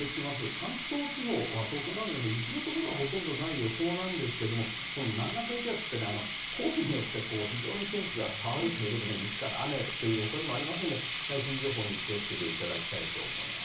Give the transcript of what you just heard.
関東地方は、東京など雪のところはほとんどない予想なんですが南岸低気圧ってコースによって非常に天気が変わるということで雪から雨という恐れもありますので最新情報に気をつけていただきたいと思います。